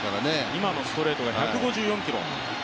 今のストレートが１５４キロ。